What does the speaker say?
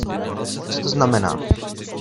Co to znamená?